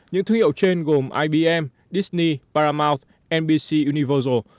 những thương hiệu trên gồm ibm disney paramount nbc universal